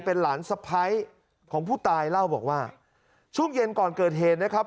เป็นหลานสะพ้ายของผู้ตายเล่าบอกว่าช่วงเย็นก่อนเกิดเหตุนะครับ